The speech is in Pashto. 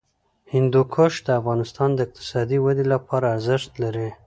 هندوکش د افغانستان د اقتصادي ودې لپاره ارزښت لري.